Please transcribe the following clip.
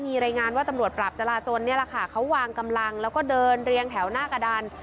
มีรายงานว่าตำรวจปราบจราจนเนี่ยแหละค่ะเขาวางกำลังแล้วก็เดินเรียงแถวหน้ากระดาน